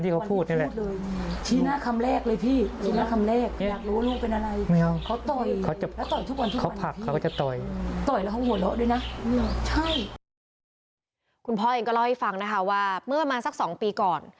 คุณพ่อเองก็เล่าให้ฟังนะคะว่าเมื่อประมาณสัก๒ปีก่อน